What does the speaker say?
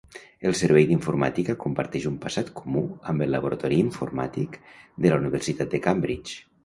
El Servei d'Informàtica comparteix un passat comú amb el Laboratori Informàtic de la Universitat de Cambridge.